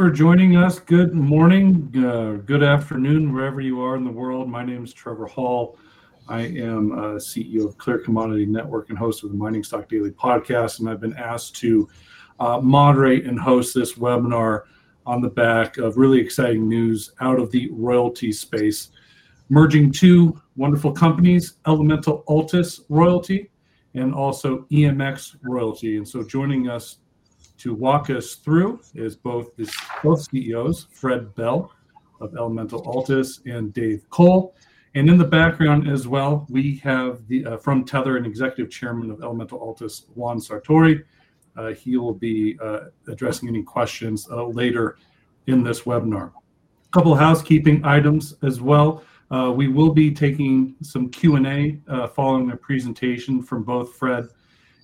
for joining us. Good morning, good afternoon, wherever you are in the world. My name is Trevor Hall. I am CEO of Clear Commodity Network and host of the Mining Stock Daily podcast. I've been asked to moderate and host this webinar on the back of really exciting news out of the royalty space, merging two wonderful companies, Elemental Altus Royalty and also EMX Royalty. Joining us to walk us through is both the CEOs, Fred Bell of Elemental Altus and Dave Cole. In the background as well, we have the firm Tether and Executive Chairman of Elemental Altus Royalty, Juan Sartori. He will be addressing any questions later in this webinar. A couple of housekeeping items as well. We will be taking some Q&A following a presentation from both Fred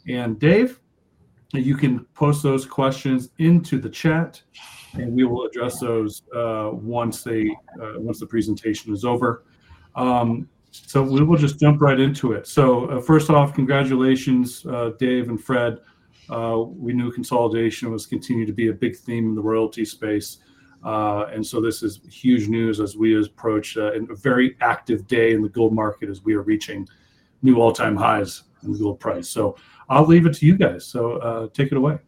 and Dave. You can post those questions into the chat, and we will address those once the presentation is over. We will just jump right into it. First off, congratulations, Dave and Fred. We knew consolidation was continuing to be a big theme in the royalty space, and this is huge news as we approach a very active day in the gold market as we are reaching new all-time highs with gold price. I'll leave it to you guys. Take it away.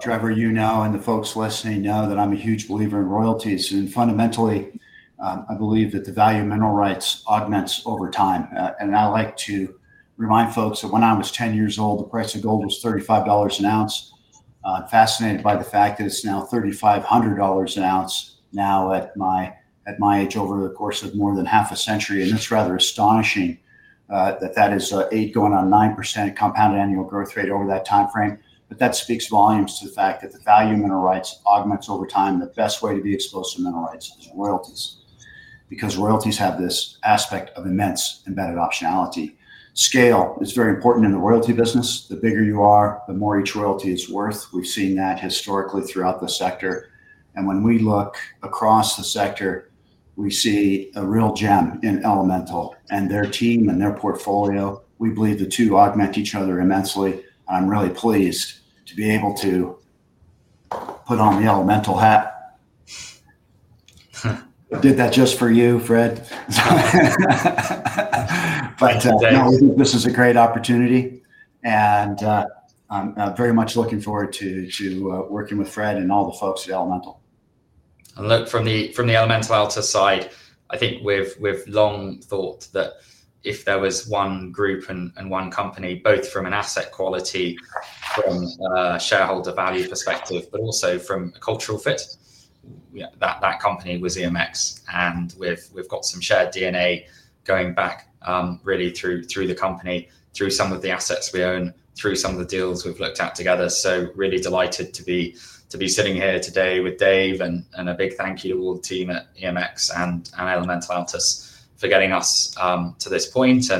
Trevor, you know, and the folks listening know that I'm a huge believer in royalties. Fundamentally, I believe that the value of mineral rights augments over time. I like to remind folks that when I was 10 years old, the price of gold was $35 an ounce. I'm fascinated by the fact that it's now $3,500 an ounce now at my age over the course of more than half a century. That's rather astonishing, that is 8% going on 9% compounded annual growth rate over that timeframe. That speaks volumes to the fact that the value of mineral rights augments over time. The best way to be exposed to mineral rights is royalties, because royalties have this aspect of immense embedded optionality. Scale is very important in the royalty business. The bigger you are, the more each royalty is worth. We've seen that historically throughout the sector. When we look across the sector, we see a real gem in Elemental and their team and their portfolio. We believe the two augment each other immensely. I'm really pleased to be able to put on the Elemental hat. Did that just for you, Fred. This is a great opportunity. I'm very much looking forward to working with Fred and all the folks at Elemental. From the Elemental Altus side, we've long thought that if there was one group and one company, both from an asset quality, from a shareholder value perspective, but also from a cultural fit, that company was EMX. We've got some shared DNA going back, really through the company, through some of the assets we own, through some of the deals we've looked at together. Really delighted to be sitting here today with Dave and a big thank you to all the team at EMX and Elemental Altus for getting us to this point.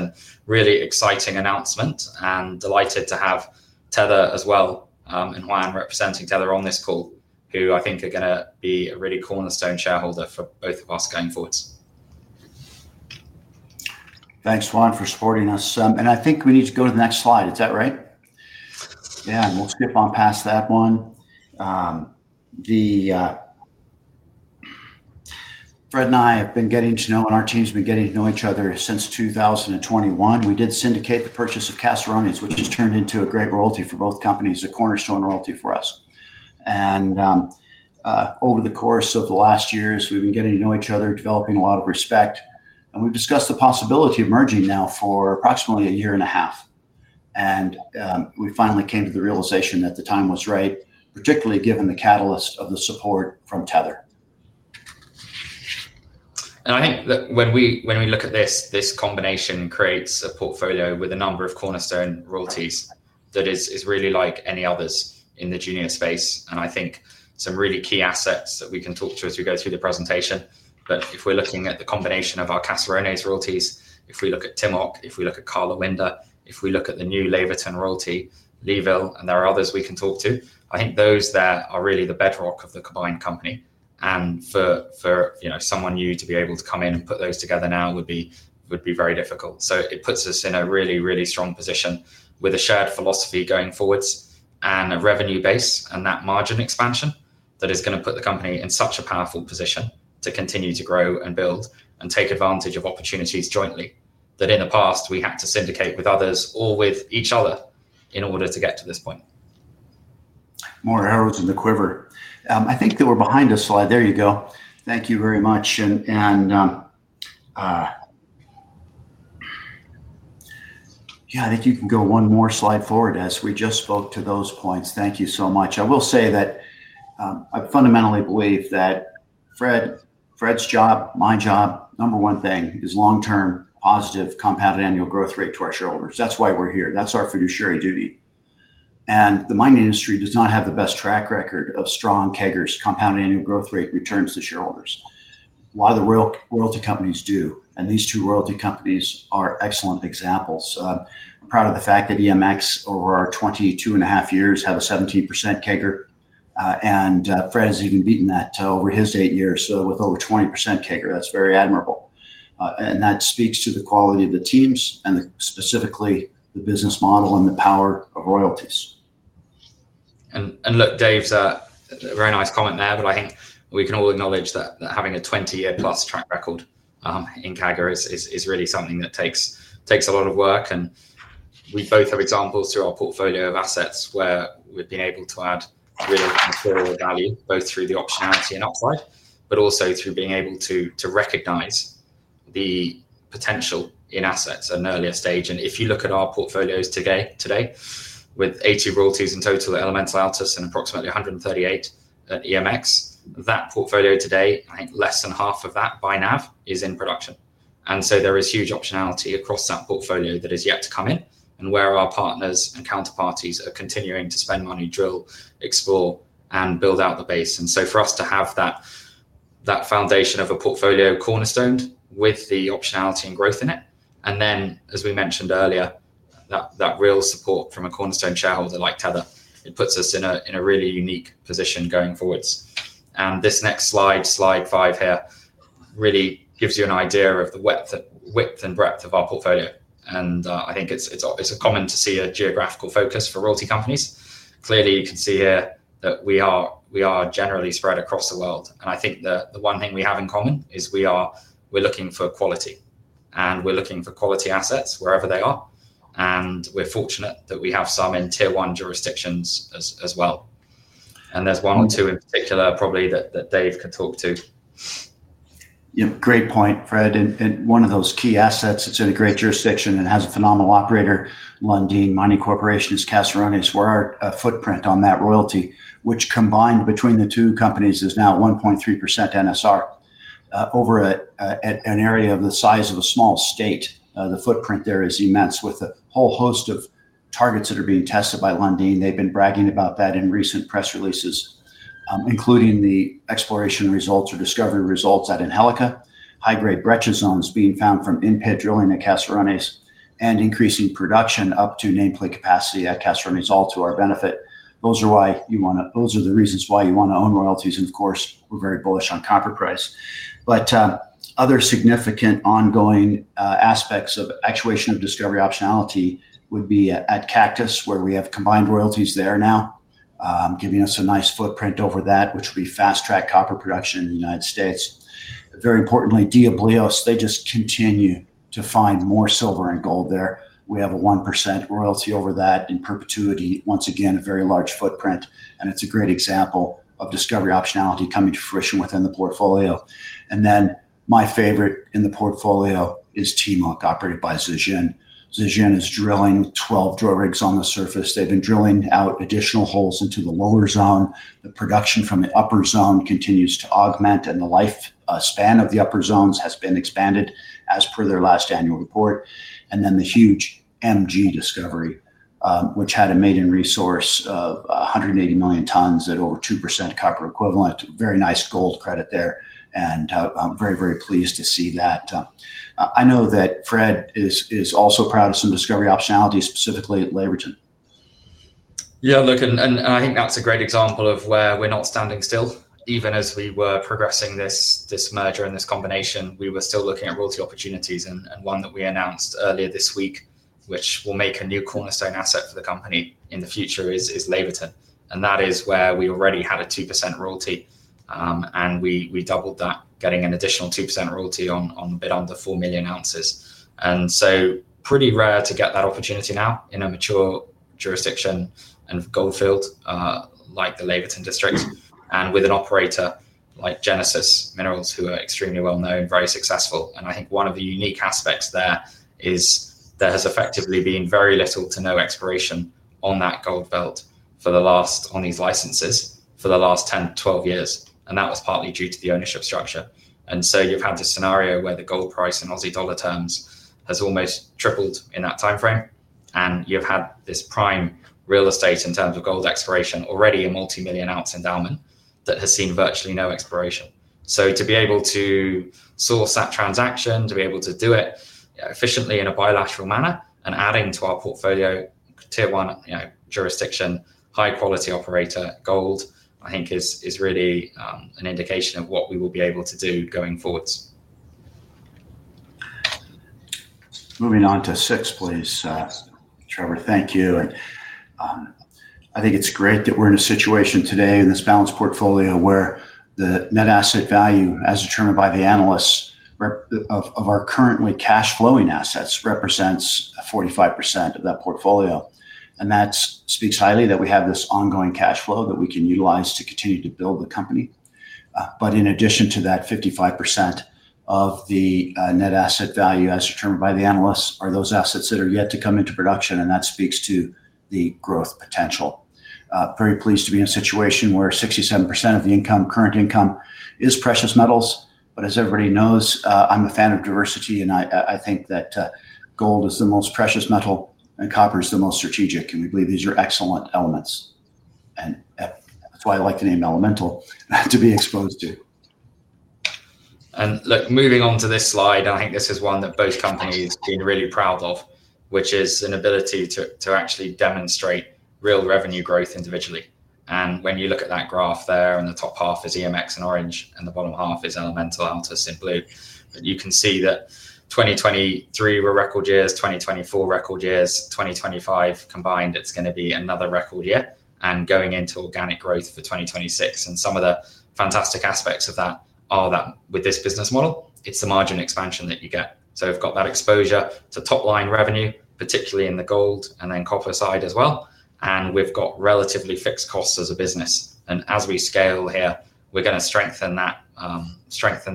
Really exciting announcement and delighted to have Tether as well, and Juan representing Tether on this call, who I think are going to be a really cornerstone shareholder for both of us going forward. Thanks, Juan, for supporting us. I think we need to go to the next slide. Is that right? Yeah, and we'll skip on past that one. Fred and I have been getting to know, and our team's been getting to know each other since 2021. We did syndicate the purchase of Caserones, which has turned into a great royalty for both companies, a cornerstone royalty for us. Over the course of the last years, we've been getting to know each other, developing a lot of respect. We've discussed the possibility of merging now for approximately a year and a half. We finally came to the realization that the time was right, particularly given the catalyst of the support from Tether. I think that when we look at this, this combination creates a portfolio with a number of cornerstone royalties that is really like any others in the junior space. I think some really key assets that we can talk to as we go through the presentation. If we're looking at the combination of our Caserones royalties, if we look at Timok, if we look at Karlawinda, if we look at the new Laverton royalty, Leeville, and there are others we can talk to, I think those there are really the bedrock of the combined company. For someone new to be able to come in and put those together now would be very difficult. It puts us in a really, really strong position with a shared philosophy going forwards and a revenue base and that margin expansion that is going to put the company in such a powerful position to continue to grow and build and take advantage of opportunities jointly that in the past we had to syndicate with others or with each other in order to get to this point. More arrows in the quiver. I think that we're behind a slide. There you go. Thank you very much. Yeah, I think you can go one more slide forward as we just spoke to those points. Thank you so much. I will say that I fundamentally believe that Fred, Fred's job, my job, number one thing is long-term positive compounded annual growth rate to our shareholders. That's why we're here. That's our fiduciary duty. The mining industry does not have the best track record of strong CAGR's, compounded annual growth rate returns to shareholders, while the royalty companies do, and these two royalty companies are excellent examples. I'm proud of the fact that EMX over our 22.5 years had a 17% CAGR, and Fred has even beaten that over his eight years. So with over 20% CAGR, that's very admirable, and that speaks to the quality of the teams and specifically the business model and the power of royalties. Dave, very nice comment there, but I think we can all acknowledge that having a 20-year plus track record in CAGR is really something that takes a lot of work. We both have examples through our portfolio of assets where we've been able to add really incredible value, both through the optionality and upgrade, but also through being able to recognize the potential in assets at an earlier stage. If you look at our portfolios today, with 80 royalties in total at Elemental Altus and approximately 138 at EMX, that portfolio today, I think less than half of that by now is in production. There is huge optionality across that portfolio that has yet to come in and where our partners and counterparties are continuing to spend money, drill, explore, and build out the base. For us to have that foundation of a portfolio cornerstoned with the optionality and growth in it, and then, as we mentioned earlier, that real support from a cornerstone shareholder like Tether, it puts us in a really unique position going forwards. This next slide, slide five here, really gives you an idea of the width and breadth of our portfolio. I think it's common to see a geographical focus for royalty companies. Clearly, you can see here that we are generally spread across the world. I think that the one thing we have in common is we're looking for quality and we're looking for quality assets wherever they are. We're fortunate that we have some in tier one jurisdictions as well. There's one or two in particular, probably, that Dave could talk to. Yeah, great point, Fred. One of those key assets, it's in a great jurisdiction and has a phenomenal operator, Lundin Mining Corporation, is Caserones, where our footprint on that royalty, which combined between the two companies, is now 1.3% NSR, over an area of the size of a small state. The footprint there is immense with a whole host of targets that are being tested by Lundin. They've been bragging about that in recent press releases, including the exploration results or discovery results at Angelica, high-grade breccia zones being found from in-pit drilling at Caserones, and increasing production up to nameplate capacity at Caserones, all to our benefit. Those are the reasons why you want to own royalties. Of course, we're very bullish on copper price. Other significant ongoing aspects of actuation of discovery optionality would be at Cactus, where we have combined royalties there now, giving us a nice footprint over that, which will be fast-track copper production in the United States. Very importantly, Diablos, they just continue to find more silver and gold there. We have a 1% royalty over that in perpetuity, once again, a very large footprint. It's a great example of discovery optionality coming to fruition within the portfolio. My favorite in the portfolio is Timok operated by Zijin. Zijin is drilling 12 drill rigs on the surface. They've been drilling out additional holes into the lower zone. The production from the upper zone continues to augment, and the lifespan of the upper zones has been expanded as per their last annual report. The huge MG discovery, which had a maiden resource of 180 million tons at over 2% copper equivalent, is very nice g old credit there. I'm very, very pleased to see that. I know that Fred is also proud of some discovery optionalities, specifically at Laverton. Yeah, look, I think that's a great example of where we're not standing still. Even as we were progressing this merger and this combination, we were still looking at royalty opportunities. One that we announced earlier this week, which will make a new cornerstone asset for the company in the future, is Laverton. That is where we already had a 2% royalty, and we doubled that, getting an additional 2% royalty on the bid on the $4 million ounces. It's pretty rare to get that opportunity now in a mature jurisdiction and gold field like the Laverton district, with an operator like Genesis Minerals, who are extremely well known, very successful. I think one of the unique aspects there is there has effectively been very little to no exploration on that gold belt for the last, on these licenses, for the last 10 to 12 years. That was partly due to the ownership structure. You've had a scenario where the gold price in Aussie dollar terms has almost tripled in that timeframe, and you've had this prime real estate in terms of gold exploration already, a multi-million ounce endowment that has seen virtually no exploration. To be able to source that transaction, to be able to do it efficiently in a bilateral manner and adding to our portfolio, tier one jurisdiction, high quality operator gold, I think is really an indication of what we will be able to do going forwards. Moving on to six, please, Trevor, thank you. I think it's great that we're in a situation today in this balanced portfolio where the net asset value, as determined by the analysts, of our currently cash flowing assets represents 45% of that portfolio. That speaks highly that we have this ongoing cash flow that we can utilize to continue to build the company. In addition to that, 55% of the net asset value, as determined by the analysts, are those assets that are yet to come into production. That speaks to the growth potential. Very pleased to be in a situation where 67% of the income, current income, is precious metals. As everybody knows, I'm a fan of diversity. I think that gold is the most precious metal and copper is the most strategic. I believe these are excellent elements. That's why I like the name Elemental to be exposed to. Moving on to this slide, I think this is one that both companies have been really proud of, which is an ability to actually demonstrate real revenue growth individually. When you look at that graph there, the top half is EMX in orange, and the bottom half is Elemental Altus in blue. You can see that 2023 were record years, 2024 record years, 2025 combined, it's going to be another record year. Going into organic growth for 2026, some of the fantastic aspects of that are that with this business model, it's the margin expansion that you get. We've got that exposure to top line revenue, particularly in the gold and then copper side as well. We've got relatively fixed costs as a business, and as we scale here, we're going to strengthen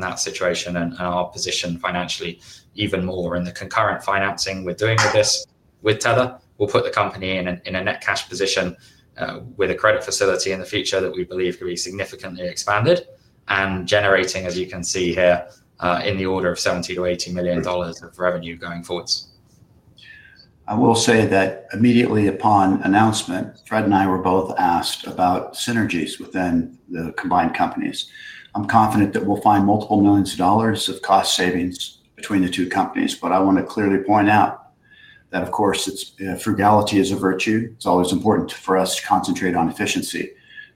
that situation and our position financially even more. The concurrent financing we're doing with this, with Tether, will put the company in a net cash position, with a credit facility in the future that we believe could be significantly expanded and generating, as you can see here, in the order of $70- $80 million of revenue going forwards. I will say that immediately upon announcement, Fred and I were both asked about synergies within the combined companies. I'm confident that we'll find multiple millions of dollars of cost savings between the two companies, but I want to clearly point out that, of course, frugality is a virtue. It's always important for us to concentrate on efficiency,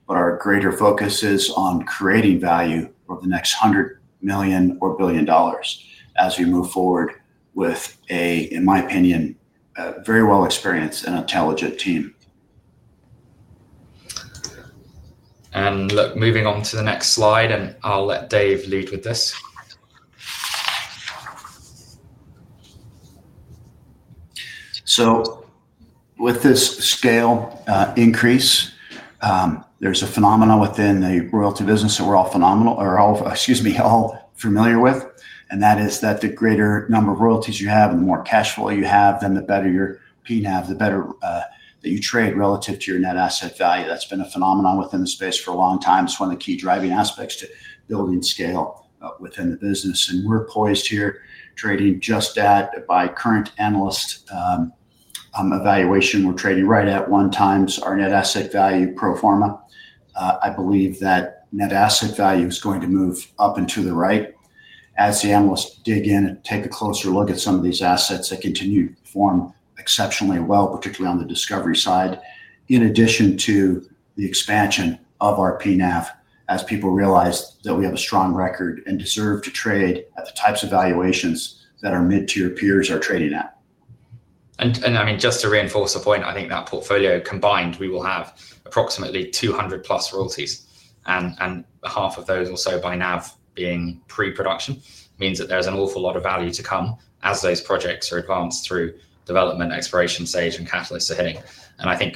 but our greater focus is on creating value over the next $100 million or billion dollars as we move forward with a, in my opinion, a very well experienced and intelligent team. Moving on to the next slide, I'll let Dave lead with this. With this scale increase, there's a phenomenon within the royalty business that we're all familiar with. That is, the greater number of royalties you have and the more cash flow you have, the better your PNAV, the better that you trade relative to your net asset value. That's been a phenomenon within the space for a long time. It's one of the key driving aspects to building scale within the business. We're poised here trading just at, by current analyst evaluation, right at one times our net asset value pro forma. I believe that net asset value is going to move up and to the right as the analysts dig in and take a closer look at some of these assets that continue to perform exceptionally well, particularly on the discovery side, in addition to the expansion of our PNAV as people realize that we have a strong record and deserve to trade at the types of valuations that our mid-tier peers are trading at. Just to reinforce the point, I think that portfolio combined, we will have approximately 200 plus royalties. Half of those also by now being pre-production means that there's an awful lot of value to come as those projects are advanced through development, exploration stage, and catalysts are hitting.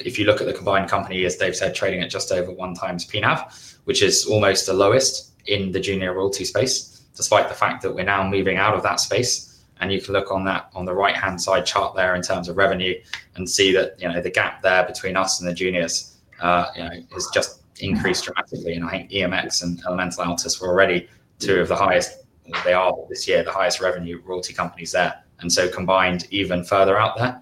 If you look at the combined company, as Dave said, trading at just over one times PNAV, which is almost the lowest in the junior royalty space, despite the fact that we're now moving out of that space. You can look on that on the right-hand side chart there in terms of revenue and see that the gap there between us and the juniors is just increased dramatically. I think EMX Royalty Corporation and Elemental Altus Royalty were already two of the highest, they are this year, the highest revenue royalty companies there, and so combined even further out there.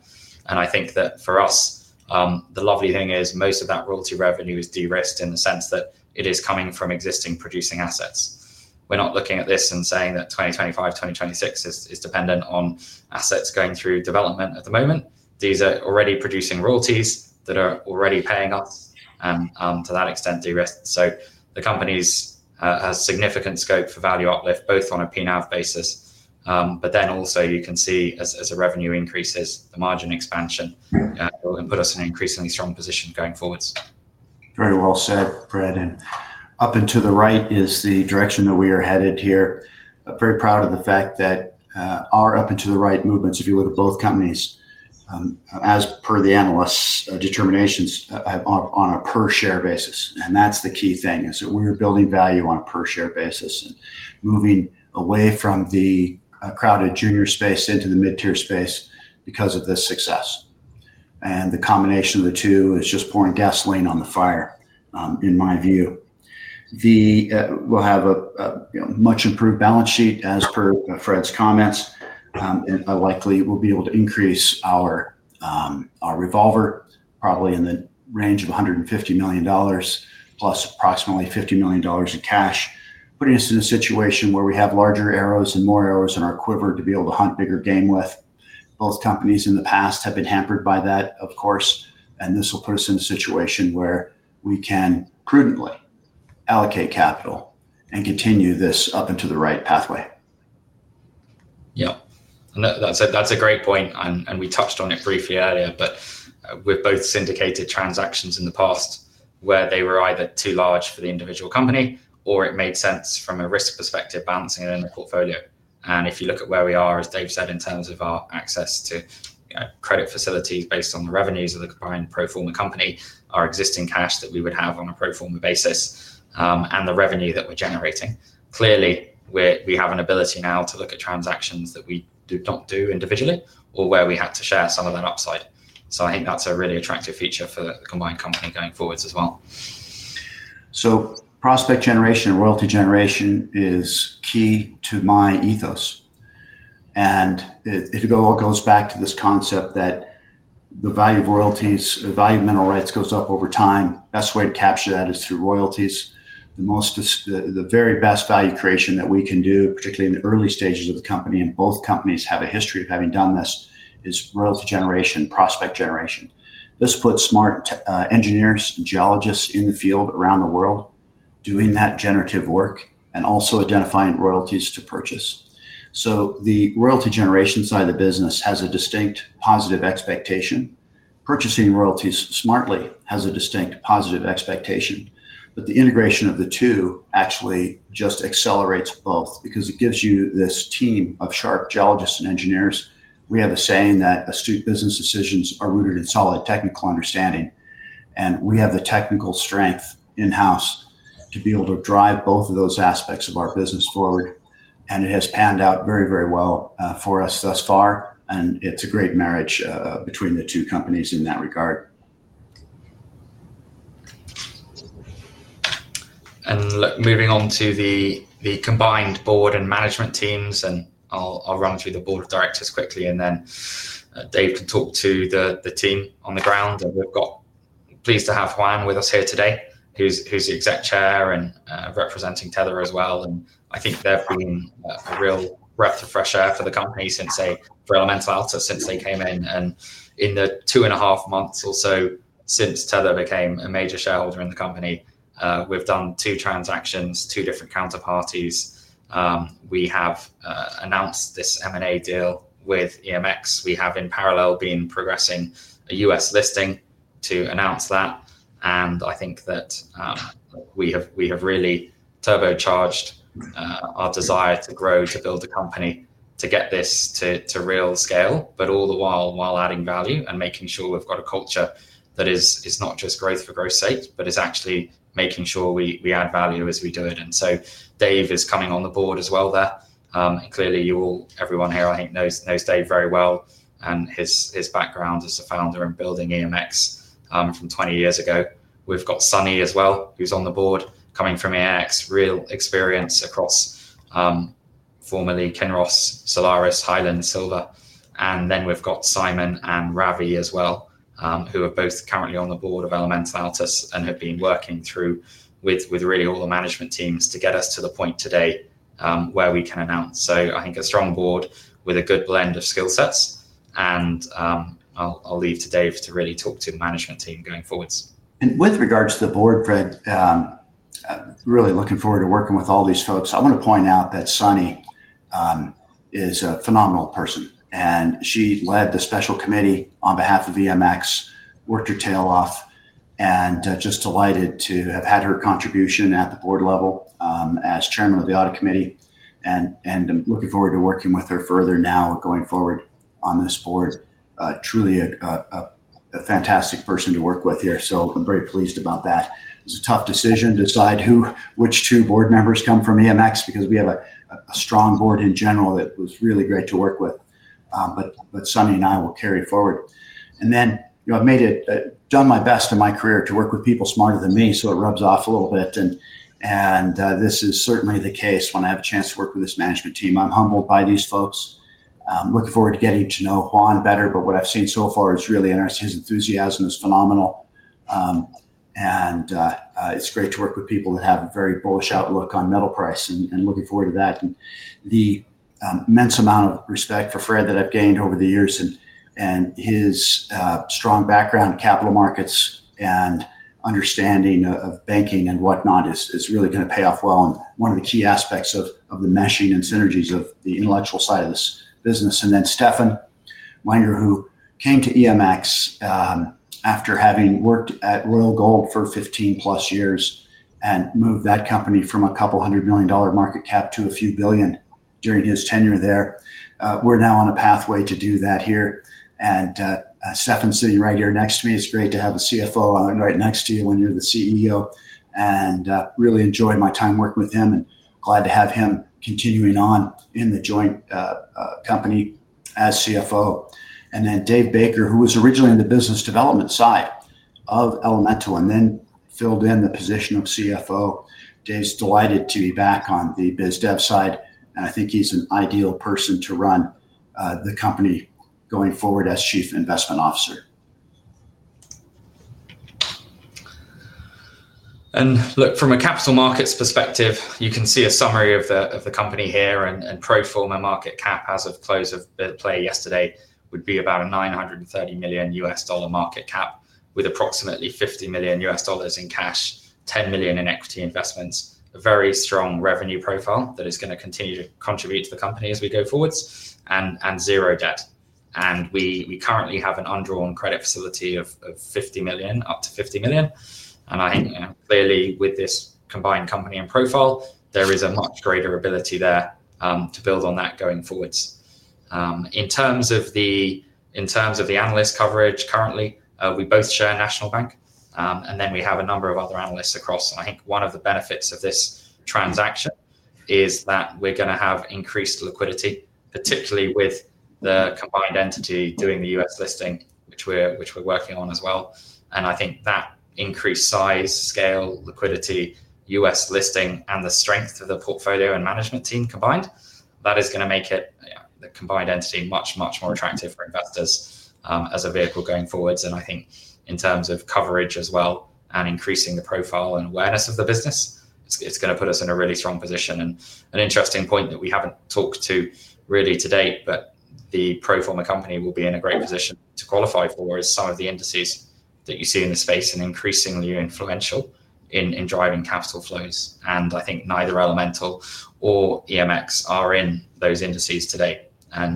For us, the lovely thing is most of that royalty revenue is de-risked in the sense that it is coming from existing producing assets. We're not looking at this and saying that 2025, 2026 is dependent on assets going through development at the moment. These are already producing royalties that are already paying us, and to that extent, de-risked. The companies have significant scope for value uplift, both on a PNAV basis, but then also you can see as the revenue increases, the margin expansion, it will put us in an increasingly strong position going forwards. Very well said, Fred. Up and to the right is the direction that we are headed here. Very proud of the fact that our up and to the right movements, if you would, of both companies, as per the analysts' determinations, are on a per share basis. The key thing is that we are building value on a per share basis and moving away from the crowded junior space into the mid-tier space because of this success. The combination of the two is just pouring gasoline on the fire, in my view. We will have a much improved balance sheet as per Fred's comments. I likely will be able to increase our revolver, probably in the range of $150 million plus approximately $50 million in cash, putting us in a situation where we have larger arrows and more arrows in our quiver to be able to hunt bigger game with. Both companies in the past have been hampered by that, of course. This will put us in a situation where we can prudently allocate capital and continue this up and to the right pathway. Yeah, that's a great point. We touched on it briefly earlier, with both syndicated transactions in the past where they were either too large for the individual company or it made sense from a risk perspective balancing it in the portfolio. If you look at where we are, as Dave said, in terms of our access to credit facilities based on the revenues of the combined pro forma company, our existing cash that we would have on a pro forma basis, and the revenue that we're generating, clearly we have an ability now to look at transactions that we do not do individually or where we had to share some of that upside. I think that's a really attractive feature for the combined company going forwards as well. Prospect generation, royalty generation is key to my ethos. It all goes back to this concept that the value of royalties, the value of mineral rights goes up over time. The best way to capture that is through royalties. The very best value creation that we can do, particularly in the early stages of the company, and both companies have a history of having done this, is royalty generation, prospect generation. This puts smart engineers and geologists in the field around the world doing that generative work and also identifying royalties to purchase. The royalty generation side of the business has a distinct positive expectation. Purchasing royalties smartly has a distinct positive expectation. The integration of the two actually just accelerates both because it gives you this team of sharp geologists and engineers. We have a saying that astute business decisions are rooted in solid technical understanding. We have the technical strength in-house to be able to drive both of those aspects of our business forward. It has panned out very, very well for us thus far. It's a great marriage between the two companies in that regard. Moving on to the combined board and management teams, I'll run through the board of directors quickly, and then Dave can talk to the team on the ground. We're pleased to have Juan with us here today, who's the Executive Chairman and representing Tether as well. I think they've been a real breath of fresh air for the company since they, for Elemental Altus, since they came in. In the two and a half months or so since Tether became a major shareholder in the company, we've done two transactions, two different counterparties. We have announced this M&A deal with EMX. We have in parallel been progressing a U.S. listing to announce that. I think that we have really turbocharged our desire to grow, to build a company, to get this to real scale, but all the while adding value and making sure we've got a culture that is not just growth for growth's sake, but is actually making sure we add value as we do it. Dave is coming on the board as well. Clearly, everyone here, I think, knows Dave very well and his background as a founder and building EMX from 20 years ago. We've got Sunny as well, who's on the board, coming from EMX, real experience across, formerly Kinross, Solaris, Highland, Silver. Then we've got Simon and Ravi as well, who are both currently on the board of Elemental Altus and have been working through with all the management teams to get us to the point today, where we can announce. I think a strong board with a good blend of skill sets. I'll leave to Dave to really talk to the management team going forwards. With regards to the board, Fred, really looking forward to working with all these folks. I want to point out that Sunny is a phenomenal person. She led the special committee on behalf of EMX, worked her tail off, and just delighted to have had her contribution at the board level as Chairman of the Audit Committee. I'm looking forward to working with her further now going forward on this board. Truly a fantastic person to work with here. I'm very pleased about that. It was a tough decision to decide which two board members come from EMX because we have a strong board in general that was really great to work with, but Sunny and I will carry forward. I've made it, done my best in my career to work with people smarter than me, so it rubs off a little bit, and this is certainly the case when I have a chance to work with this management team. I'm humbled by these folks. Looking forward to getting to know Juan better, but what I've seen so far is really interesting. His enthusiasm is phenomenal, and it's great to work with people that have a very bullish outlook on metal price and looking forward to that. The immense amount of respect for Fred that I've gained over the years and his strong background in capital markets and understanding of banking and whatnot is really going to pay off well. One of the key aspects of the meshing and synergies of the intellectual side of this business. Stefan Wenger, who came to EMX after having worked at Royal Gold for 15 plus years and moved that company from a couple hundred million dollar market cap to a few billion during his tenure there, we're now on a pathway to do that here. Stefan sitting right here next to me. It's great to have a CFO right next to you when you're the CEO and really enjoy my time working with him and glad to have him continuing on in the joint company as CFO. Dave Baker, who was originally in the business development side of Elemental and then filled in the position of CFO, Dave's delighted to be back on the biz dev side. I think he's an ideal person to run the company going forward as Chief Investment Officer. From a capital markets perspective, you can see a summary of the company here and pro forma market cap as of close of play yesterday would be about a $930 million market cap with approximately $50 million in cash, $10 million in equity investments, a very strong revenue profile that is going to continue to contribute to the company as we go forwards, and zero debt. We currently have an undrawn credit facility of $50 million, up to $50 million. Clearly, with this combined company and profile, there is a much greater ability there to build on that going forwards. In terms of the analyst coverage currently, we both share National Bank. We have a number of other analysts across. One of the benefits of this transaction is that we're going to have increased liquidity, particularly with the combined entity doing the U.S. listing, which we're working on as well. That increased size, scale, liquidity, U.S. listing, and the strength of the portfolio and management team combined is going to make it a combined entity much, much more attractive for investors as a vehicle going forwards. In terms of coverage as well and increasing the profile and awareness of the business, it's going to put us in a really strong position. An interesting point that we haven't talked to really to date is that the pro forma company will be in a great position to qualify for some of the indices that you see in the space and increasingly influential in driving capital flows. Neither Elemental nor EMX are in those indices today.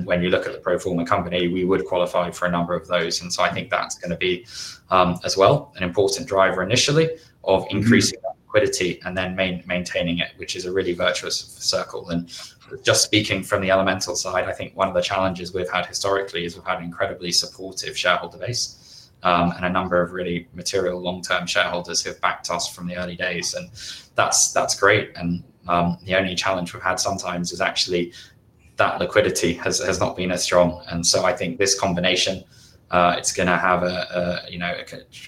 When you look at the pro forma company, we would qualify for a number of those. That is going to be as well an important driver initially of increasing liquidity and then maintaining it, which is a really virtuous circle. Just speaking from the Elemental side, one of the challenges we've had historically is we've had an incredibly supportive shareholder base and a number of really material long-term shareholders who have backed us from the early days. That's great. The only challenge we've had sometimes is actually that liquidity has not been as strong. This combination is going to have a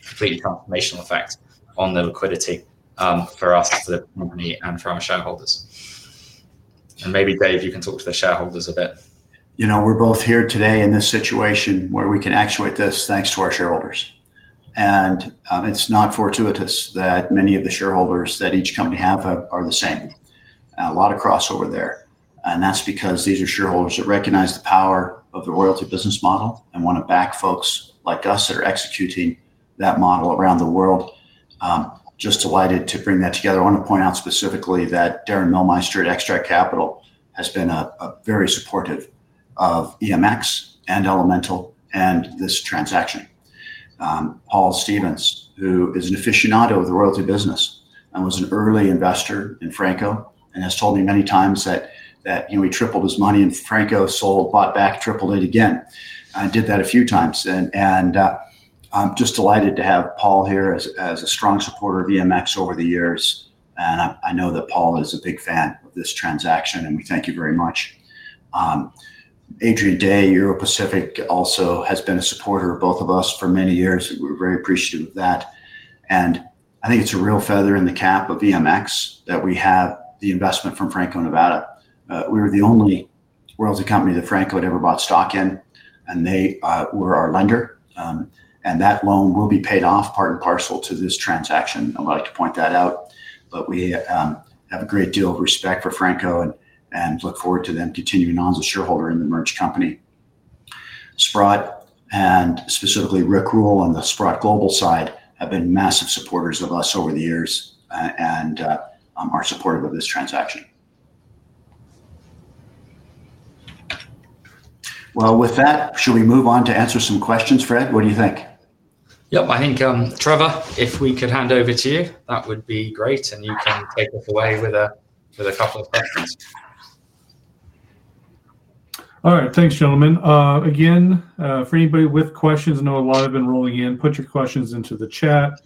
completely conformational effect on the liquidity for us, the company, and for our shareholders. Maybe Dave, you can talk to the shareholders a bit. You know, we're both here today in this situation where we can actuate this thanks to our shareholders. It's not fortuitous that many of the shareholders that each company has are the same. A lot of crossover there. That's because these are shareholders that recognize the power of the royalty business model and want to back folks like us that are executing that model around the world. Just delighted to bring that together. I want to point out specifically that Darren Milmeister at Extract Capital has been very supportive of EMX and Elemental Altus Royalty and this transaction. Paul Stevens, who is an aficionado of the royalty business and was an early investor in Franco, has told me many times that, you know, he tripled his money and Franco sold, bought back, tripled it again. I did that a few times. I'm just delighted to have Paul here as a strong supporter of EMX over the years. I know that Paul is a big fan of this transaction. We thank you very much. Anthony Day, Euro Pacific, also has been a supporter of both of us for many years. We're very appreciative of that. I think it's a real feather in the cap of EMX Royalty Corporation that we have the investment from Franco Nevada. We were the only royalty company that Franco had ever bought stock in. They were our lender, and that loan will be paid off part and parcel to this transaction. I would like to point that out. We have a great deal of respect for Franco and look forward to them continuing on as a shareholder in the merged company. Sprott and specifically Rick Rule on the Sprott Global side have been massive supporters of us over the years, and I'm supportive of this transaction. Should we move on to answer some questions, Fred? What do you think? Yep, I think, Trevor, if we could hand over to you, that would be great. You can take us away with a couple of questions. All right, thanks, gentlemen. Again, for anybody with questions, I know a lot have been rolling in, put your questions into the chat,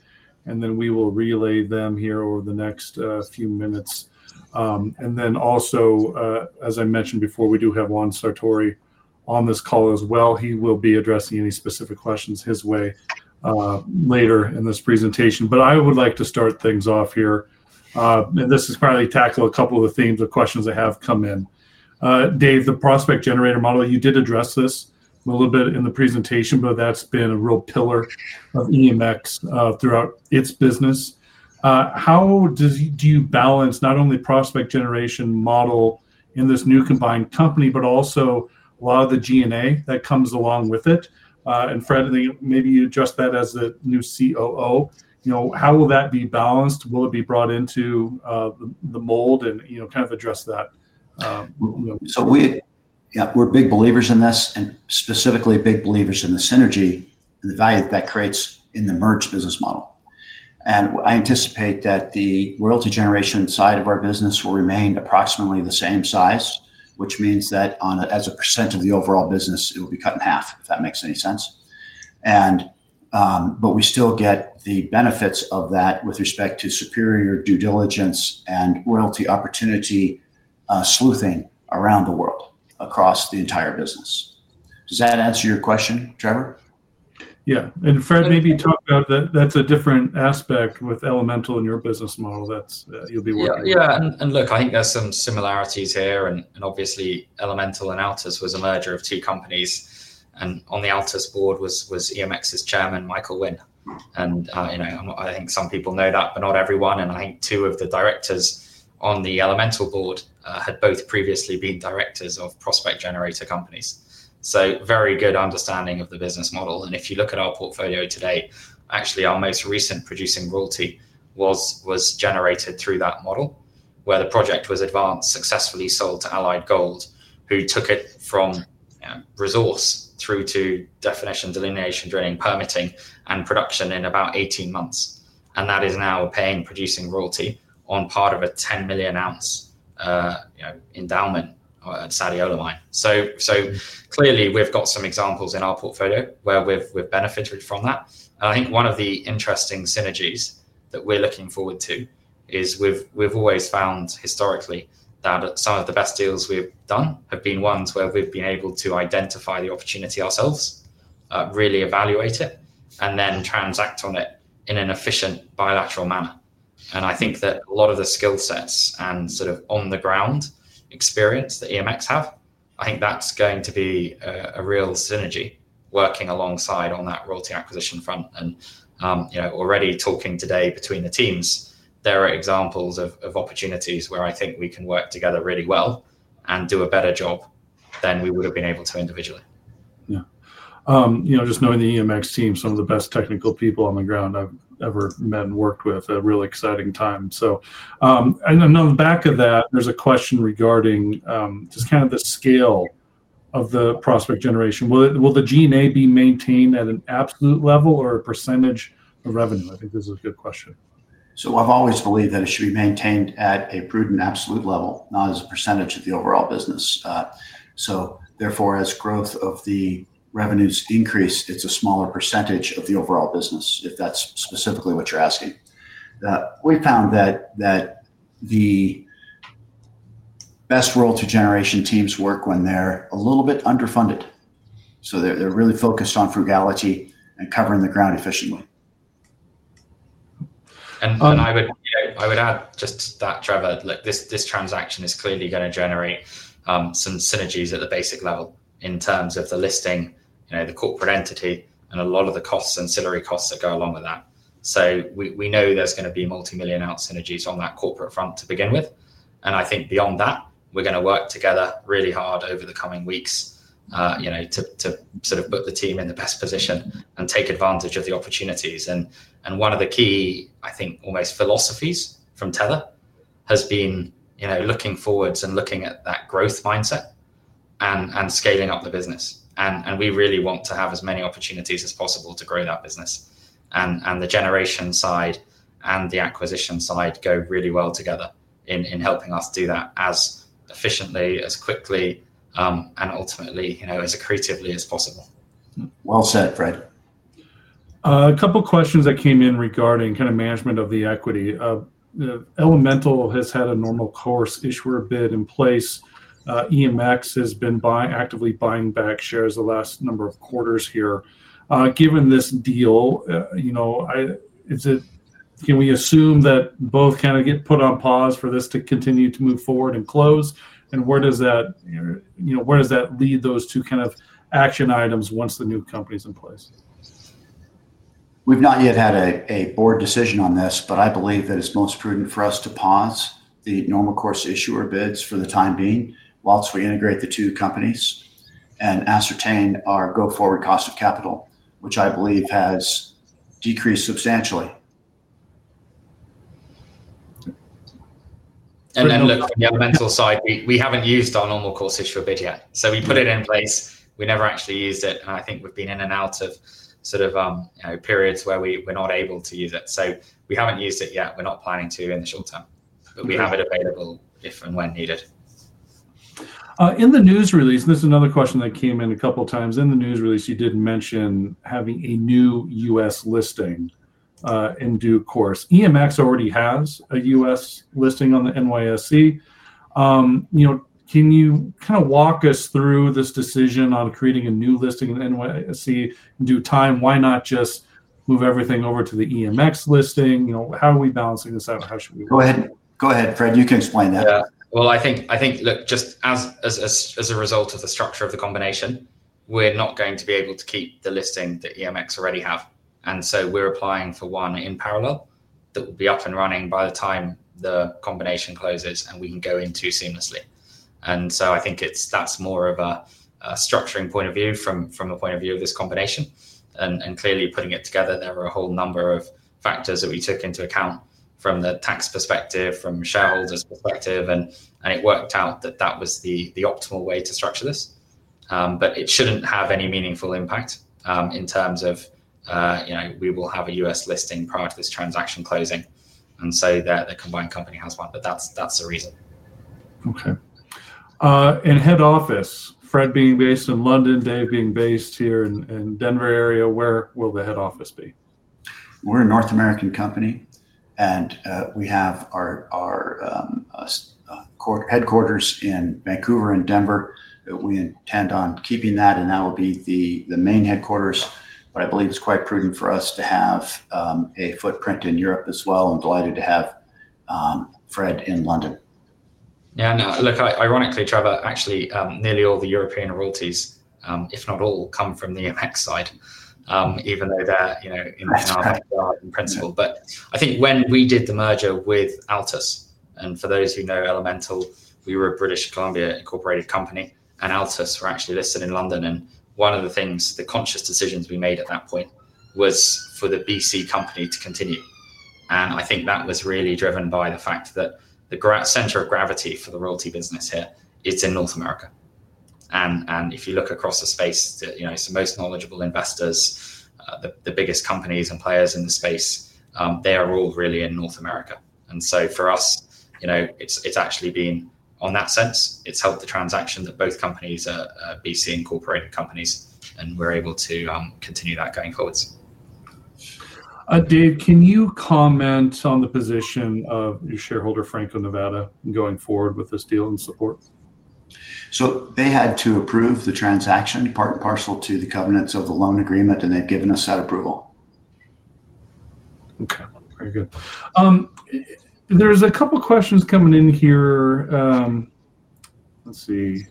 and then we will relay them here over the next few minutes. Also, as I mentioned before, we do have Juan Sartori on this call as well. He will be addressing any specific questions his way later in this presentation. I would like to start things off here. This is probably to tackle a couple of the themes or questions that have come in. Dave, the prospect generator model, you did address this a little bit in the presentation, but that's been a real pillar of EMX throughout its business. How do you balance not only the prospect generation model in this new combined company, but also a lot of the DNA that comes along with it? Fred, maybe you just said as the new COO, how will that be balanced? Will it be brought into the mold and address that? We are big believers in this and specifically big believers in the synergy and the value that that creates in the merged business model. I anticipate that the royalty generation side of our business will remain approximately the same size, which means that as a percent of the overall business, it will be cut in half, if that makes any sense. We still get the benefits of that with respect to superior due diligence and royalty opportunity, sleuthing around the world, across the entire business. Does that answer your question, Trevor? Yeah, Fred, maybe talk about that. That's a different aspect with Elemental in your business model that you'll be working with. Yeah, I think there's some similarities here. Obviously, Elemental Altus Royalty was a merger of two companies. On the Altus board was EMX 's Chairman, Michael Winn. I think some people know that, but not everyone. Two of the directors on the Elemental board had both previously been directors of prospect generator companies, so very good understanding of the business model. If you look at our portfolio today, actually our most recent producing royalty was generated through that model, where the project was advanced, successfully sold to Allied Gold, who took it from resource through to definition, delineation, drilling, permitting, and production in about 18 months. That is now a paying producing royalty on part of a $10 million ounce endowment at Sadio Levine. Clearly we've got some examples in our portfolio where we've benefited from that. One of the interesting synergies that we're looking forward to is we've always found historically that some of the best deals we've done have been ones where we've been able to identify the opportunity ourselves, really evaluate it, and then transact on it in an efficient bilateral manner. I think that a lot of the skill sets and sort of on-the-ground experience that EMX have, that's going to be a real synergy working alongside on that royalty acquisition front. Already talking today between the teams, there are examples of opportunities where I think we can work together really well and do a better job than we would have been able to individually. Yeah, you know, just knowing the EMX team, some of the best technical people on the ground I've ever met and worked with, a really exciting time. On the back of that, there's a question regarding just kind of the scale of the prospect generation. Will the DNA be maintained at an absolute level or a percentage of revenue? I think this is a good question. I've always believed that it should be maintained at a prudent absolute level, not as a percent of the overall business. Therefore, as growth of the revenues increase, it's a smaller percentage of the overall business, if that's specifically what you're asking. We found that the best royalty generation teams work when they're a little bit underfunded, so they're really focused on frugality and covering the ground efficiently. I would add just to that, Trevor, this transaction is clearly going to generate some synergies at the basic level in terms of the listing, the corporate entity, and a lot of the costs and ancillary costs that go along with that. We know there's going to be multimillion dollar synergies on that corporate front to begin with. I think beyond that, we're going to work together really hard over the coming weeks to sort of put the team in the best position and take advantage of the opportunities. One of the key, I think, almost philosophies from Tether has been looking forwards and looking at that growth mindset and scaling up the business. We really want to have as many opportunities as possible to grow that business. The generation side and the acquisition side go really well together in helping us do that as efficiently, as quickly, and ultimately, as creatively as possible. Well said, Fred. A couple of questions that came in regarding kind of management of the equity. You know, Elemental has had a normal course issuer bid in place. EMX has been actively buying back shares the last number of quarters here. Given this deal, can we assume that both kind of get put on pause for this to continue to move forward and close? Where does that lead those two kind of action items once the new company's in place? We've not yet had a board decision on this, but I believe that it's most prudent for us to pause the normal course issuer bids for the time being whilst we integrate the two companies and ascertain our go-forward cost of capital, which I believe has decreased substantially. The Elemental side, we haven't used our normal course issuer bid yet. We put it in place. We never actually used it. I think we've been in and out of periods where we're not able to use it. We haven't used it yet. We're not planning to in the short term, but we have it available if and when needed. In the news release, and this is another question that came in a couple of times, in the news release, you did mention having a new U.S. listing, in due course. EMX already has a U.S. listing on the NYSE. You know, can you kind of walk us through this decision on creating a new listing in the NYSE in due time? Why not just move everything over to the EMX l isting? You know, how are we balancing this out? How should we? Go ahead, Fred. You can explain that. I think, look, just as a result of the structure of the combination, we're not going to be able to keep the listing that EMX already has. We're applying for one in parallel that will be up and running by the time the combination closes and we can go into seamlessly. I think that's more of a structuring point of view from a point of view of this combination. Clearly, putting it together, there were a whole number of factors that we took into account from the tax perspective, from shareholders' perspective. It worked out that that was the optimal way to structure this. It shouldn't have any meaningful impact, in terms of, you know, we will have a U.S. listing prior to this transaction closing so that the combined company has one. That's the reason. Okay. In head office, Fred being based in London, Dave being based here in the Denver area, where will the head office be? We're a North American company, and we have our headquarters in Vancouver and Denver. We intend on keeping that, and that will be the main headquarters, but I believe it's quite prudent for us to have a footprint in Europe as well. I'm delighted to have Fred in London. Yeah, no, look, ironically, Trevor, actually, nearly all the European royalties, if not all, come from the EMX side, even though they're, you know, in our headquarters in principle. I think when we did the merger with Altus, and for those who know Elemental, we were a British Columbia incorporated company, and Altus were actually listed in London. One of the conscious decisions we made at that point was for the BC company to continue. I think that was really driven by the fact that the center of gravity for the royalty business here is in North America. If you look across the space, some of the most knowledgeable investors, the biggest companies and players in the space, they are all really in North America. For us, it's actually been, on that sense, it's helped the transaction that both companies are BC incorporated companies, and we're able to continue that going forwards. Dave, can you comment on the position of your shareholder, Franco-Nevada, going forward with this deal and support? They had to approve the transaction part and parcel to the covenants of the loan agreement, and they've given us that approval. Okay, very good. There's a couple of questions coming in here. Let's see.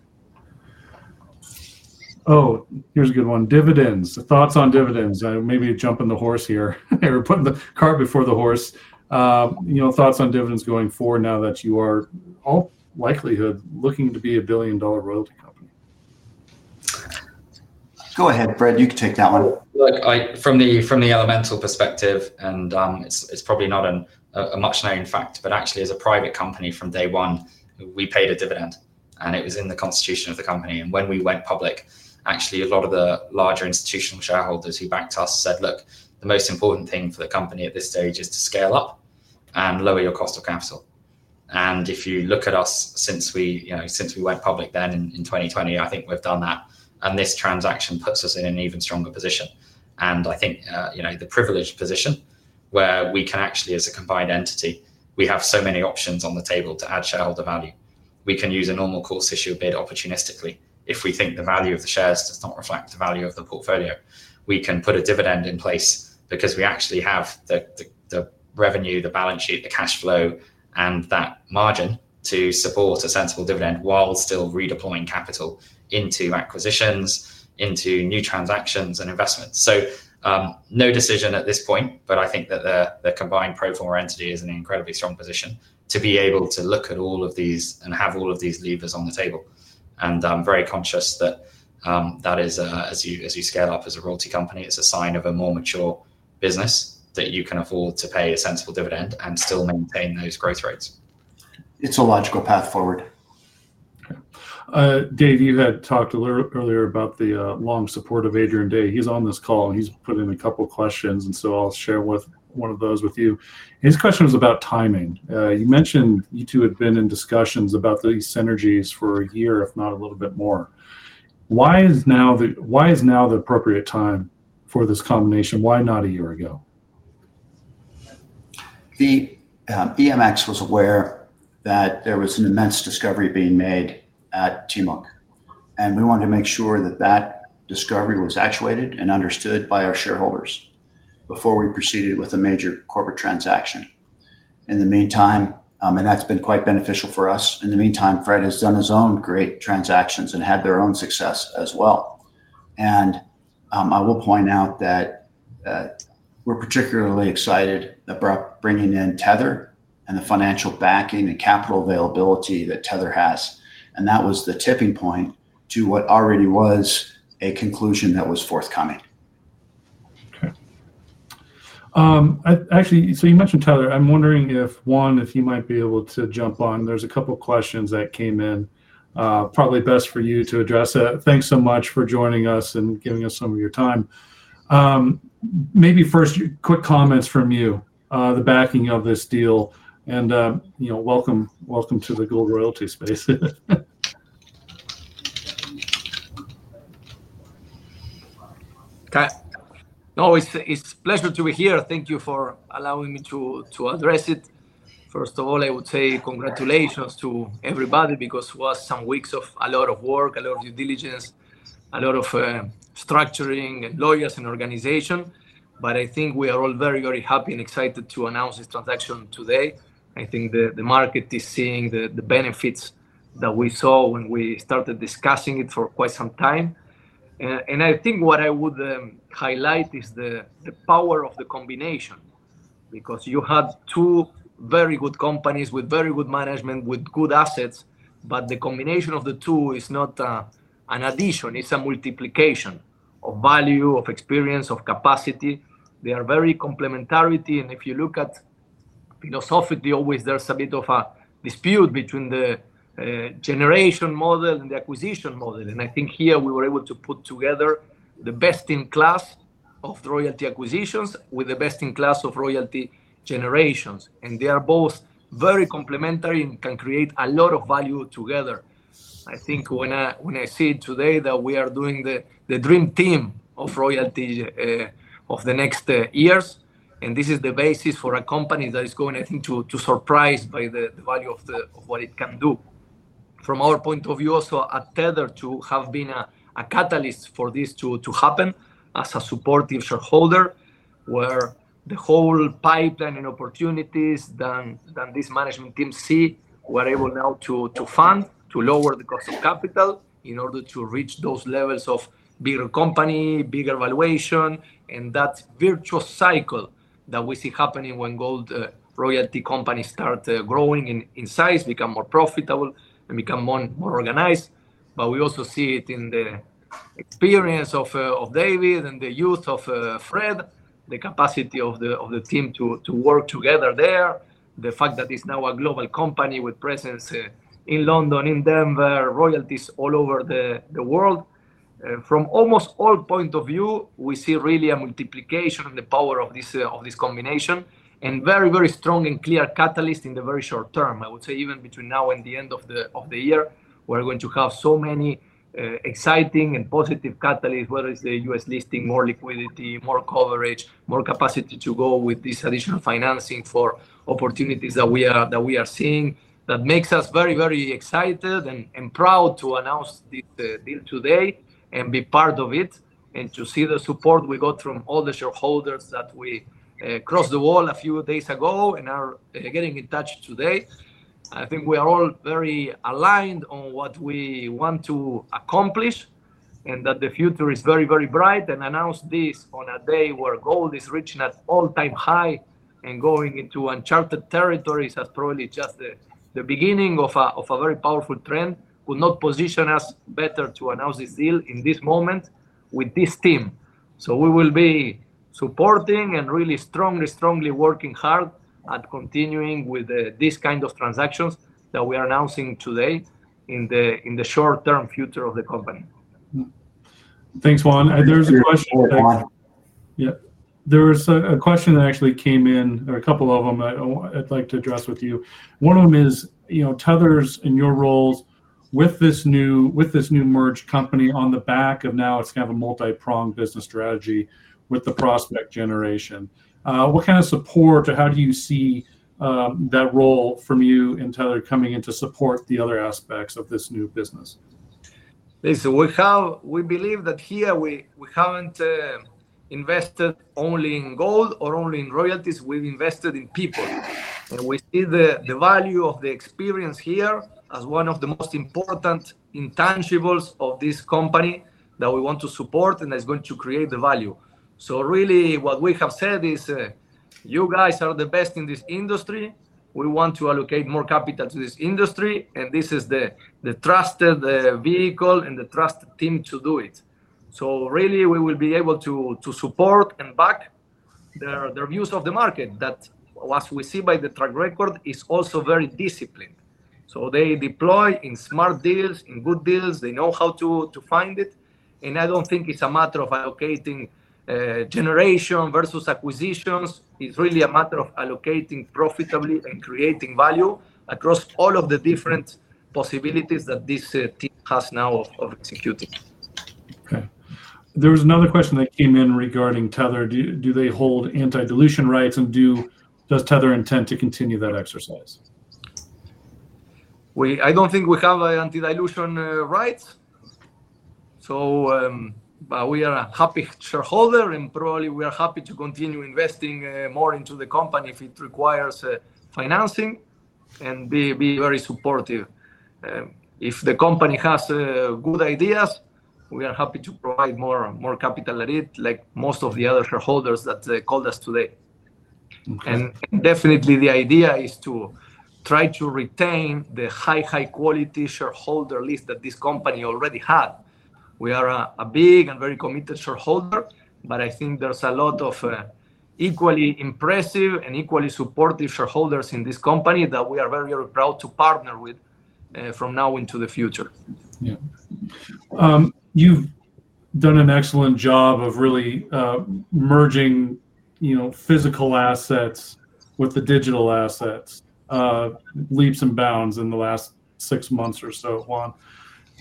Oh, here's a good one. Dividends. The thoughts on dividends. Maybe jumping the horse here, maybe putting the cart before the horse. You know, thoughts on dividends going forward now that you are in all likelihood looking to be a billion dollar royalty company. Go ahead, Fred. You can take that one. Look, from the Elemental perspective, and it's probably not a much known fact, but actually as a private company from day one, we paid a dividend. It was in the constitution of the company. When we went public, actually a lot of the larger institutional shareholders who backed us said, look, the most important thing for the company at this stage is to scale up and lower your cost of capital. If you look at us since we went public in 2020, I think we've done that. This transaction puts us in an even stronger position. I think the privileged position where we can actually, as a combined entity, we have so many options on the table to add shareholder value. We can use a normal course issue bid opportunistically. If we think the value of the shares does not reflect the value of the portfolio, we can put a dividend in place because we actually have the revenue, the balance sheet, the cash flow, and that margin to support a sensible dividend while still redeploying capital into acquisitions, into new transactions, and investments. No decision at this point, but I think that the combined pro forma entity is in an incredibly strong position to be able to look at all of these and have all of these levers on the table. I'm very conscious that, as you scale up as a royalty company, it's a sign of a more mature business that you can afford to pay a sensible dividend and still maintain those growth rates. It's a logical path forward. Dave, you had talked earlier about the long support of Adrian Day. He's on this call and he's put in a couple of questions, and I'll share one of those with you. His question is about timing. You mentioned you two had been in discussions about these synergies for a year, if not a little bit more. Why is now the appropriate time for this combination? Why not a year ago? EMX was aware that there was an immense discovery being made at Timok, and we wanted to make sure that that discovery was actuated and understood by our shareholders before we proceeded with a major corporate transaction. In the meantime, that's been quite beneficial for us. Fred has done his own great transactions and had their own success as well. I will point out that we're particularly excited about bringing in Tether and the financial backing and capital availability that Tether has. That was the tipping point to what already was a conclusion that was forthcoming. Actually, you mentioned Tether. I'm wondering if Juan, if he might be able to jump on. There's a couple of questions that came in. Probably best for you to address that. Thanks so much for joining us and giving us some of your time. Maybe first quick comments from you, the backing of this deal. You know, welcome to the gold royalty space. Always a pleasure to be here. Thank you for allowing me to address it. First of all, I would say congratulations to everybody because it was some weeks of a lot of work, a lot of due diligence, a lot of structuring, lawyers, and organization. I think we are all very, very happy and excited to announce this transaction today. I think the market is seeing the benefits that we saw when we started discussing it for quite some time. What I would highlight is the power of the combination because you had two very good companies with very good management, with good assets, but the combination of the two is not an addition. It's a multiplication of value, of experience, of capacity. They are very complementary. If you look at it philosophically, always there's a bit of a dispute between the generation model and the acquisition model. I think here we were able to put together the best in class of royalty acquisitions with the best in class of royalty generations. They are both very complementary and can create a lot of value together. I think when I see today that we are doing the dream team of royalty of the next years, and this is the basis for a company that is going, I think, to surprise by the value of what it can do. From our point of view, also at Tether, to have been a catalyst for this to happen as a supportive shareholder where the whole pipeline and opportunities that this management team sees, we're able now to fund, to lower the cost of capital in order to reach those levels of bigger company, bigger valuation. That's a virtuous cycle that we see happening when gold royalty companies start growing in size, become more profitable, and become more organized. We also see it in the experience of David and the youth of Fred, the capacity of the team to work together there, the fact that it's now a global company with presence in London, in Denver, royalties all over the world. From almost all points of view, we see really a multiplication and the power of this combination and very, very strong and clear catalyst in the very short term. I would say even between now and the end of the year, we're going to have so many exciting and positive catalysts, whether it's the U.S. listing, more liquidity, more coverage, more capacity to go with this additional financing for opportunities that we are seeing. That makes us very, very excited and proud to announce this deal today and be part of it and to see the support we got from all the shareholders that we crossed the wall a few days ago and are getting in touch today. I think we are all very aligned on what we want to accomplish and that the future is very, very bright and announce this on a day where gold is reaching an all-time high and going into uncharted territories is probably just the beginning of a very powerful trend. Could not position us better to announce this deal in this moment with this team. We will be supporting and really strongly, strongly working hard at continuing with these kinds of transactions that we are announcing today in the short-term future of the company. Thanks, Juan. There's a question. There was a question that actually came in, or a couple of them I'd like to address with you. One of them is, you know, Tether's in your roles with this new merged company on the back of now it's kind of a multi-pronged business strategy with the prospect generation. What kind of support or how do you see that role from you and Tether coming in to support the other aspects of this new business? We believe that here we haven't invested only in gold or only in royalties. We've invested in people, and we see the value of the experience here as one of the most important intangibles of this company that we want to support and that is going to create the value. Really what we have said is, you guys are the best in this industry. We want to allocate more capital to this industry, and this is the trusted vehicle and the trusted team to do it. We will be able to support and back their views of the market that, as we see by the track record, is also very disciplined. They deploy in smart deals, in good deals. They know how to find it. I don't think it's a matter of allocating, generation versus acquisitions. It's really a matter of allocating profitably and creating value across all of the different possibilities that this team has now of executing. Okay. There's another question that came in regarding Tether. Do they hold anti-dilution rights, and does Tether intend to continue that exercise? I don't think we have anti-dilution rights. We are a happy shareholder and probably we are happy to continue investing more into the company if it requires financing and be very supportive. If the company has good ideas, we are happy to provide more capital at it, like most of the other shareholders that called us today. The idea is to try to retain the high, high quality shareholder list that this company already had. We are a big and very committed shareholder. I think there's a lot of equally impressive and equally supportive shareholders in this company that we are very, very proud to partner with from now into the future. You've done an excellent job of really merging physical assets with the digital assets, leaps and bounds in the last six months or so, Juan.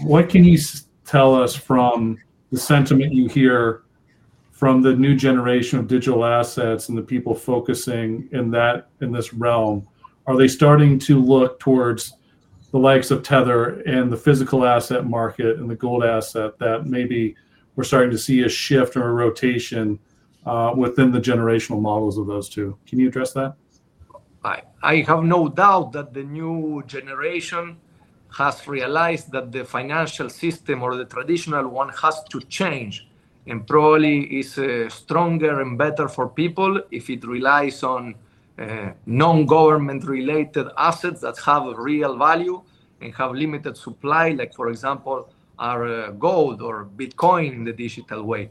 What can you tell us from the sentiment you hear from the new generation of digital assets and the people focusing in that, in this realm? Are they starting to look towards the likes of Tether and the physical asset market and the gold asset that maybe we're starting to see a shift or a rotation within the generational models of those two? Can you address that? I have no doubt that the new generation has realized that the financial system or the traditional one has to change and probably is stronger and better for people if it relies on non-government related assets that have real value and have limited supply, like for example, our gold or Bitcoin in the digital way.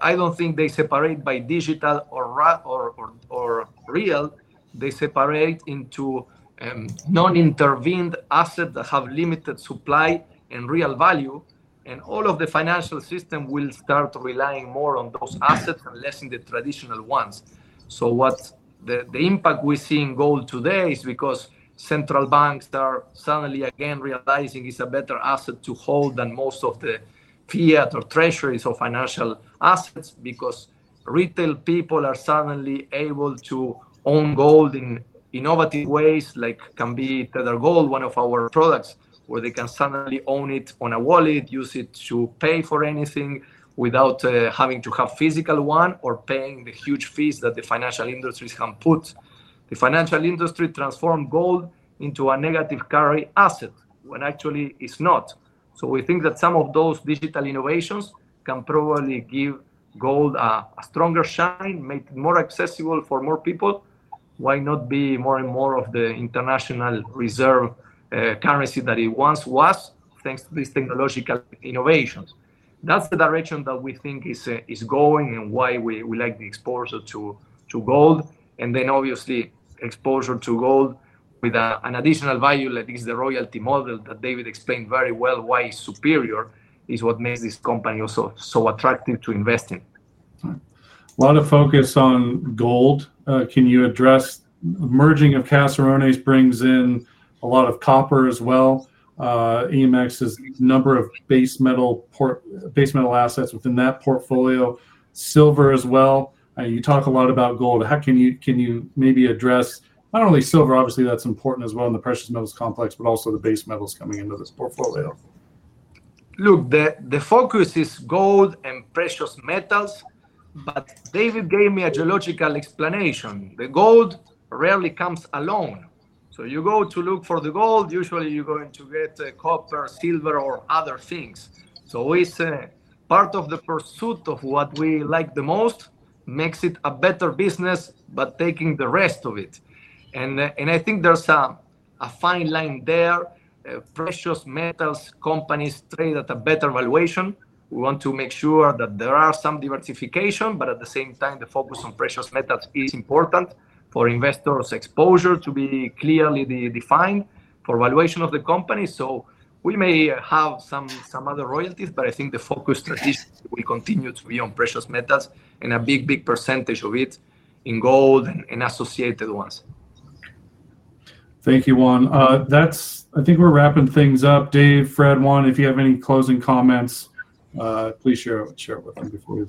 I don't think they separate by digital or real. They separate into non-intervened assets that have limited supply and real value. All of the financial system will start relying more on those assets and less in the traditional ones. The impact we see in gold today is because central banks are suddenly again realizing it's a better asset to hold than most of the fiat or treasuries of financial assets because retail people are suddenly able to own gold in innovative ways, like can be Tether Gold, one of our products, where they can suddenly own it on a wallet, use it to pay for anything without having to have a physical one or paying the huge fees that the financial industries have put. The financial industry transformed gold into a negative carry asset when actually it's not. We think that some of those digital innovations can probably give gold a stronger shine, make it more accessible for more people. Why not be more and more of the international reserve currency that it once was, thanks to these technological innovations? That's the direction that we think is going and why we like the exposure to gold. Obviously, exposure to gold with an additional value like this is the royalty model that David explained very well. Why it's superior is what makes this company also so attractive to invest in. Want to focus on gold. Can you address merging of Caserones brings in a lot of copper as well? EMX has a number of base metal assets within that portfolio, silver as well. You talk a lot about gold. Can you maybe address not only silver, o bviously, that's important as well in the precious metals complex, but also the base metals coming into this portfolio? Look, the focus is gold and precious metals, but David gave me a geological explanation. The gold rarely comes alone. You go to look for the gold, usually you're going to get copper, silver, or other things. It's part of the pursuit of what we like the most, makes it a better business, but taking the rest of it. I think there's a fine line there. Precious metals companies trade at a better valuation. We want to make sure that there is some diversification, but at the same time, the focus on precious metals is important for investors' exposure to be clearly defined for valuation of the company. We may have some other royalties, but I think the focus strategies will continue to be on precious metals and a big, big percentage of it in gold and associated ones. Thank you, Juan. That's, I think we're wrapping things up. Dave, Fred, Juan, if you have any closing comments, please share it with us before we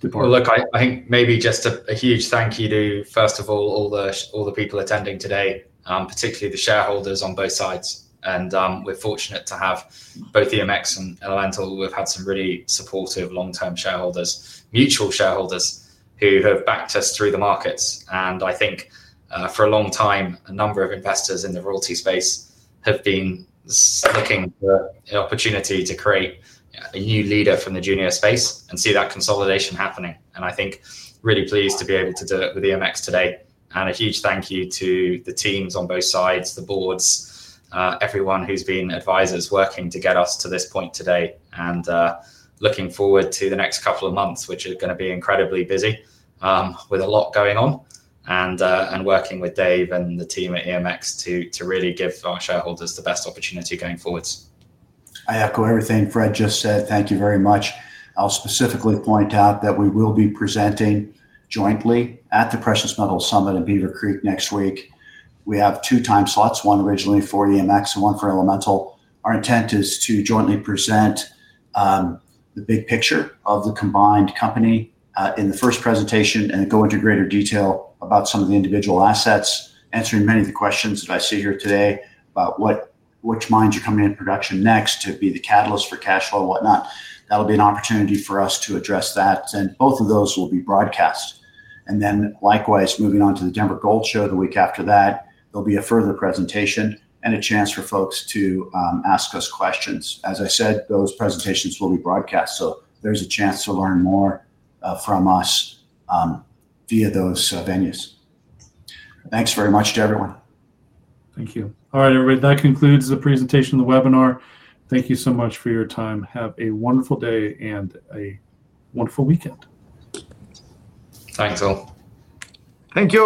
depart. I think maybe just a huge thank you to, first of all, all the people attending today, particularly the shareholders on both sides. We're fortunate to have both EMX and Elemental. We've had some really supportive long-term shareholders, mutual shareholders who have backed us through the markets. I think for a long time, a number of investors in the royalty space have been looking for an opportunity to create a new leader from the junior space and see that consolidation happening. I think really pleased to be able to do it with EMX today. A huge thank you to the teams on both sides, the boards, everyone who's been advisors working to get us to this point today. Looking forward to the next couple of months, which are going to be incredibly busy, with a lot going on and working with Dave and the team at EMX to really give our shareholders the best opportunity going forward. I echo everything Fred just said. Thank you very much. I'll specifically point out that we will be presenting jointly at the Precious Metals Summit in Beaver Creek next week. We have two time slots, one originally for EMX and one for Elemental. Our intent is to jointly present the big picture of the combined company in the first presentation and go into greater detail about some of the individual assets, answering many of the questions that I see here today about which mines are coming in production next to be the catalyst for cash flow and whatnot. That'll be an opportunity for us to address that. Both of those will be broadcast. Likewise, moving on to the Denver Gold Show the week after that, there'll be a further presentation and a chance for folks to ask us questions. As I said, those presentations will be broadcast. There's a chance to learn more from us via those venues. Thanks very much to everyone. Thank you. All right, everybody, that concludes the presentation of the webinar. Thank you so much for your time. Have a wonderful day and a wonderful weekend. Thanks all. Thank you.